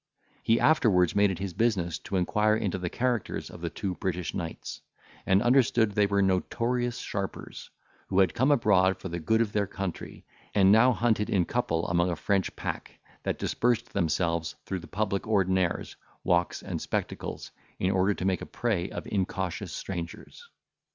He afterwards made it his business to inquire into the characters of the two British knights, and understood they were notorious sharpers, who had come abroad for the good of their country, and now hunted in couple among a French pack, that dispersed themselves through the public ordinaries, walks, and spectacles, in order to make a prey of incautious strangers.